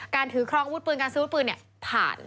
การถือคล้องวุฒิปืนการซื้อวุฒิปืน